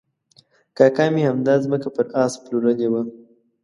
کاکا مې همدا ځمکه پر آس پلورلې وه.